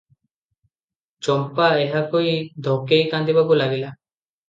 ଚମ୍ପା ଏହା କହି ଧକେଇ କାନ୍ଦିବାକୁ ଲାଗିଲା ।